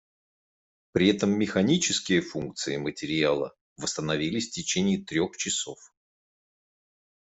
При этом механические функции материала восстановились в течение трёх часов.